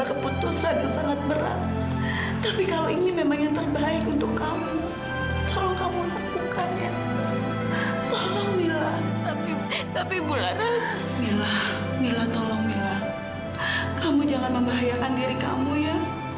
kamu jangan membahayakan diri kamu ya